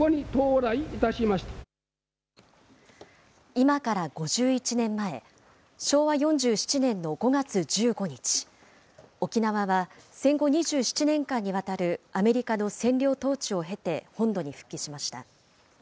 今から５１年前、昭和４７年の５月１５日、沖縄は戦後２７年間にわたるアメリカの占領統治を経て本土に復帰しました。